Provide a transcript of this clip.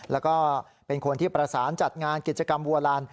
แล้วก็เป็นคนที่ประสานจัดงานกิจกรรมบัวลาน